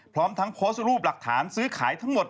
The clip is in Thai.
พร้อมทั้งโพสต์รูปหลักฐานซื้อขายทั้งหมด